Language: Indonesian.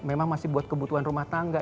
memang masih buat kebutuhan rumah tangga